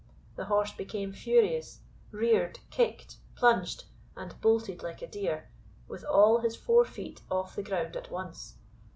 The horse became furious, reared, kicked, plunged, and bolted like a deer, with all his four feet off the ground at once.